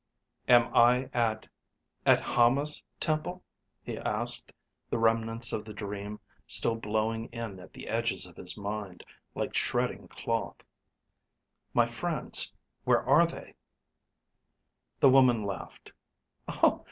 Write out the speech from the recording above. "Am I at at Hama's temple?" he asked, the remnants of the dream still blowing in at the edges of his mind, like shredding cloth. "My friends, where are they?" The woman laughed.